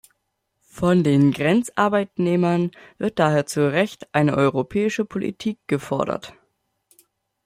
Von den Grenzarbeitnehmern wird daher zu Recht eine europäische Politik gefordert.